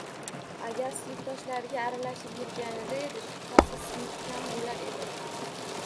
Agar sinfdoshlariga aralashib yurganida edi, shubhasiz, sinfkom bo`lar edi